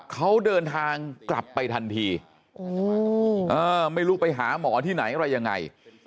เขาเดินทางกลับไปทันทีไม่รู้ไปหาหมอที่ไหนอะไรยังไง